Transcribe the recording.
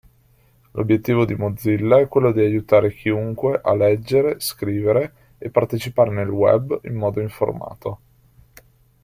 L'obiettivo di Mozilla è quello di aiutare chiunque a leggere, scrivere e partecipare nel web in modo informato.